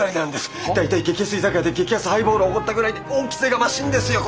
は？大体激安居酒屋で激安ハイボールおごったぐらいで恩着せがましいんですよ